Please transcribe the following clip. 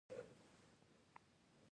دا کسان څنګه رسېدل یو خاص فکر لاره.